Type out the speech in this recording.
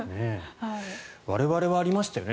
我々はありましたよね